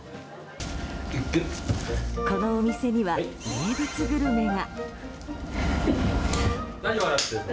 このお店には名物グルメが。